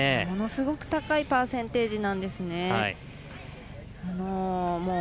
ものすごく高いパーセンテージなんですね。